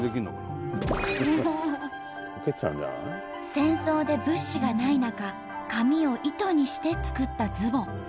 戦争で物資がない中紙を糸にして作ったズボン。